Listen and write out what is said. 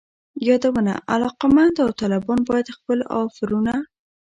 یادونه: علاقمند داوطلبان باید خپل آفرونه